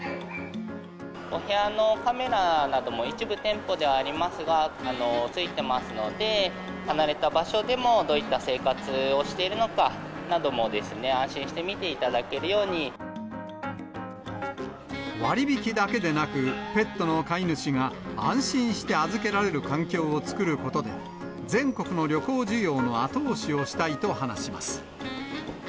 お部屋のカメラなども、一部店舗ではありますが、付いてますので、離れた場所でも、どういった生活をしているのかなども安心して見ていただけるよう割引だけでなく、ペットの飼い主が安心して預けられる環境を作ることで、全国の旅行需要の後押しをしたいと話します。